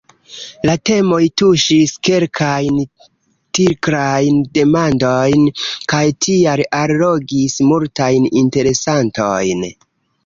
La temoj tuŝis kelkajn tiklajn demandojn, kaj tial allogis multajn interesantojn.